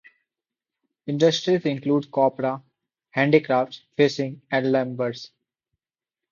Industries include copra, handicrafts, fishing, and lumber.